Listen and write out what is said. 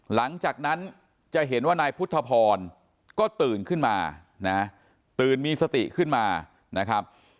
หลังจากนั้นจะเห็นว่านายพุทธพรก็ตื่นขึ้นมานะตื่นมีสติขึ้นมานะครับ